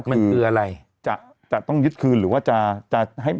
ถูกต้องถูกต้องถูกต้องถูกต้อง